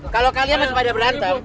kalau kalian masih pada berantem